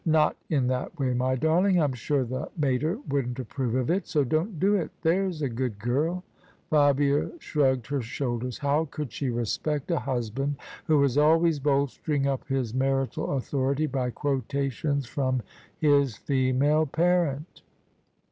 " Not in that way, my darling: I'm sure the mater wouldn't approve of it : so don't do it, there's a good girl !" Fabia shrugged her shoulders. How could she respect a husband who was always bolstering up his marital authority by quotations from his female parent?